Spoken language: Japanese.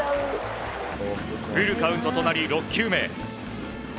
フルカウントとなり、６球目。